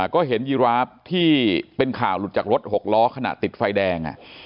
ก็เห็นยีราฟที่เป็นข่าวหลุดจากรถหกล้อขณะติดไฟแดง